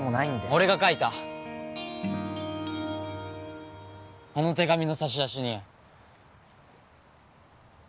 俺が書いたあの手紙の差出人